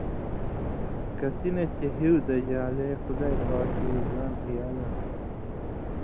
کسی نہ چے ہیُو دژان٘لے (خدائ پاکے) زاں بِھیالس؛